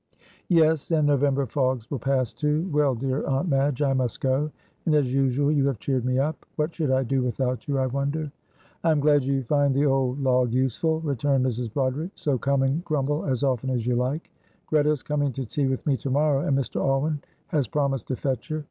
'" "Yes, and November fogs will pass too. Well, dear Aunt Madge, I must go, and as usual you have cheered me up. What should I do without you, I wonder." "I am glad you find the old log useful," returned Mrs. Broderick, "so come and grumble as often as you like. Greta is coming to tea with me to morrow, and Mr. Alwyn has promised to fetch her.